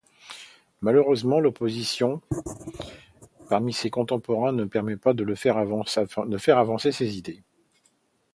Malheureusement, l'opposition parmi ses contemporains ne permet pas de faire avancer ses idées.